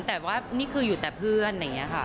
แต่ว่าอยู่แต่เพื่อน